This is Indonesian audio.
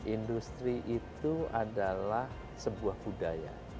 industri itu adalah sebuah budaya